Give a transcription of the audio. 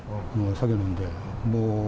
酒飲んで。